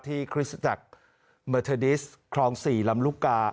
ที่คริสตักร์เมอร์เทอร์ดิสครองสี่ลำลุกา